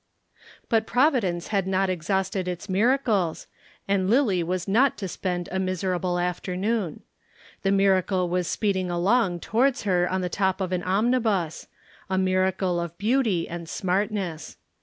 But providence had not exhausted its miracles, and Lillie was not to spend a miserable afternoon. The miracle was speeding along towards her on the top of an omnibus a miracle of beauty and smartness.